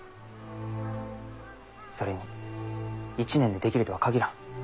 それに１年でできるとは限らん。